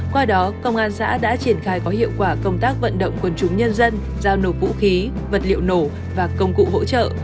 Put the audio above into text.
qua đó công an xã đã triển khai có hiệu quả công tác vận động quân chúng nhân dân giao nộp vũ khí vật liệu nổ và công cụ hỗ trợ